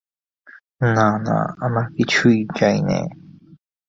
না না, আমার কিছুই চাই নে।